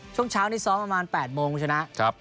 ช่วงเช้านี้ซ้อมประมาณ๘โมงคุณชนะ